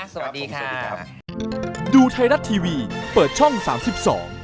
สวัสดีครับ